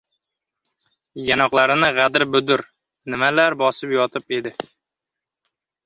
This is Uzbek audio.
Yonoqlarini g‘adir-budur nimalar bosib yotib edi.